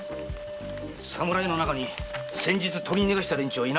侍の中に先日取り逃がした連中はいなかったか？